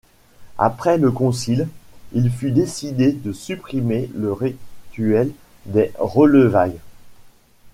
Après le concile, il fut décidé de supprimer le rituel des relevailles.